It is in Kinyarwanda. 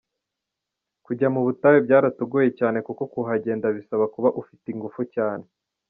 Kujya mu butayu byaratugoye cyane, kuko kuhagenda bisaba kuba ufite ingufu cyane.